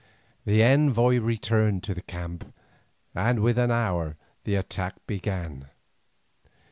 The envoy returned to the camp, and within an hour the attack began.